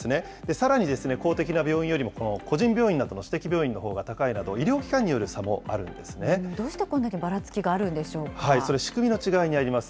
さらに公的な病院よりも、個人病院などの私的病院のほうが高いなど、医療機関による差もあどうしてこんなにばらつきがそれ、仕組みの違いにあります。